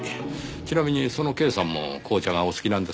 ちなみにそのＫさんも紅茶がお好きなんですか？